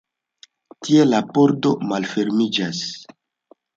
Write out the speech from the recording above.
Tie la pordo malfermiĝas.